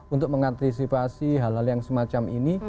untuk mengantisipasi hal hal yang semacam ini